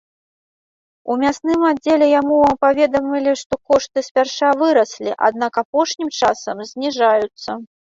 У мясным аддзеле яму паведамілі, што кошты спярша выраслі, аднак апошнім часам зніжаюцца.